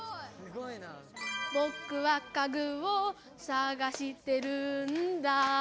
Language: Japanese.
「ぼくはかぐをさがしてるんだ」